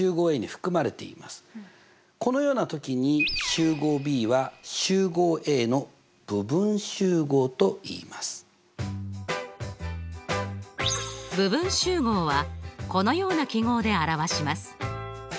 このような時に部分集合はこのような記号で表します。